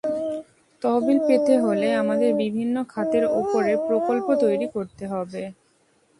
তহবিল পেতে হলে আমাদের বিভিন্ন খাতের ওপরে প্রকল্প তৈরি করতে হবে।